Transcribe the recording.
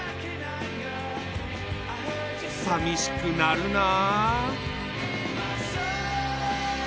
さみしくなるなあ。